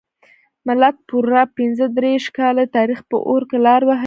ملت پوره پنځه دیرش کاله د تاریخ په اور کې لار وهلې.